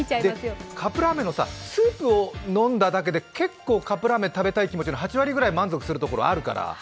カップラーメンのスープを飲んだだけで結構、カップラーメン食べたい気持ちの８割ぐらい満足するところがあるから。